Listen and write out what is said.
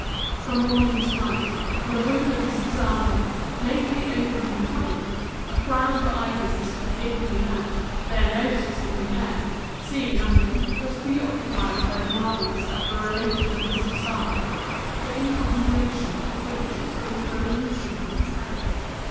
From morning to night, in the Rue du Dix Décembre, lately opened to the public, a crowd of idlers stood gaping about, their noses in the air, seeing nothing, but pre occupied by the marvels that were related of this façade, the inauguration of which was going to revolutionize Paris.